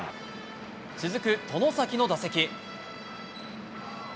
続く外崎の打席。